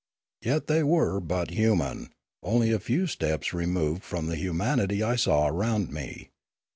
Yet they were but human, only a few steps removed from the humanity I saw around me.